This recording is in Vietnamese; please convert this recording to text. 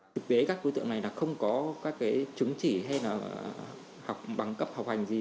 thực tế các đối tượng này không có chứng chỉ hay bằng cấp học hành gì